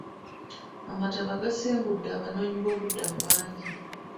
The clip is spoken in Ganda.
Amataba gasengudde abanoonyi b'obubudamu bangi.